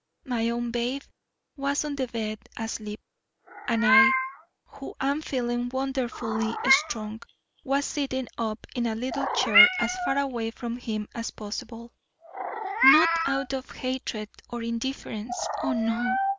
My own babe was on the bed asleep, and I, who am feeling wonderfully strong, was sitting up in a little chair as far away from him as possible, not out of hatred or indifference oh, no!